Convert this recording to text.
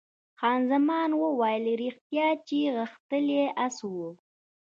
خان زمان وویل، ریښتیا چې غښتلی اس وو.